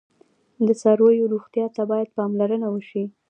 د څارویو روغتیا ته باید پاملرنه وشي.